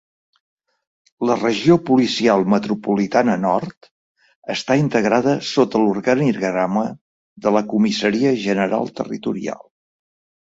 La Regió Policial Metropolitana Nord està integrada sota l'organigrama de la Comissaria General Territorial.